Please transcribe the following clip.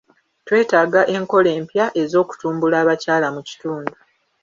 Twetaaga enkola empya ez'okutumbula abakyala mu kitundu.